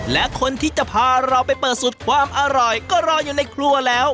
และคนที่จะพาเราไปเปิดสูตรความอร่อยก็รออยู่ในครัวแล้ว